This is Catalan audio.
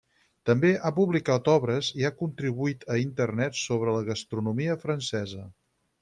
També ha publicat obres i ha contribuït a internet sobre la gastronomia francesa.